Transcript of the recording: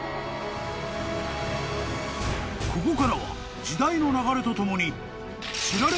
［ここからは時代の流れとともに］